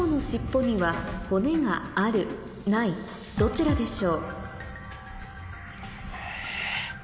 どちらでしょう？